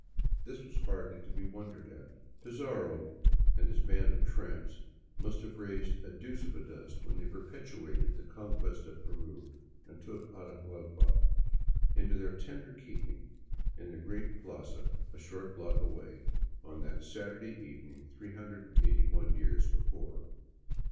This was hardly to be wondered at. Pizarro and his band of tramps must have raised a deuce of a dust when they perpetrated the Conquest of Peru and took Atahuallpa into their tender keeping in the great plaza a short block away, on that Saturday evening, 381 years before.